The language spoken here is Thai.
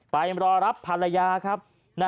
ไปรอรับภรรยาครับ